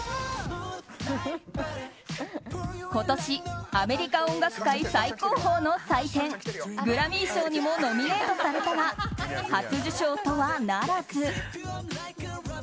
今年アメリカ音楽界最高峰の祭典グラミー賞にもノミネートされたが初受賞とはならず。